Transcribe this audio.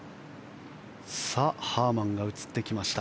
ハーマンが映ってきました。